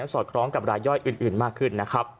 สอดคล้องกับรายย่อยอื่นมากขึ้น